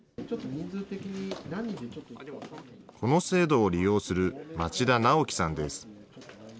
この制度を利用する町田直樹さんです。